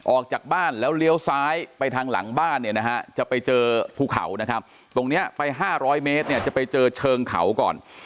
ออกจากบ้านแล้วเลี้ยวซ้ายไปทางหลังบ้านเนี่ยนะฮะจะไปเจอภูเขานะครับตรงนี้ไป๕๐๐เมตรเนี่ยจะไปเจอเชิงเขาก่อน